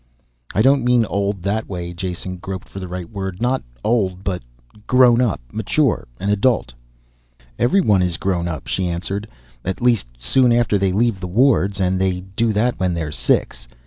"I don't mean old that way," Jason groped for the right word. "Not old but grown up, mature. An adult." "Everyone is grown up," she answered. "At least soon after they leave the wards. And they do that when they're six.